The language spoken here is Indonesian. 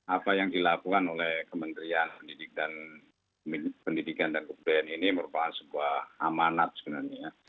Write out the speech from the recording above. apa yang dilakukan oleh kementerian pendidikan dan kebudayaan ini merupakan sebuah amanat sebenarnya ya